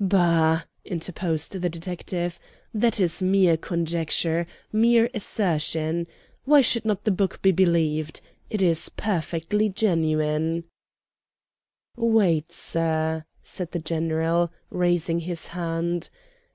"Bah!" interposed the detective; "that is mere conjecture, mere assertion. Why should not the book be believed? It is perfectly genuine " "Wait, sir," said the General, raising his hand.